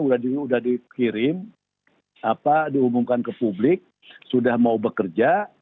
udah dikirim dihubungkan ke publik sudah mau bekerja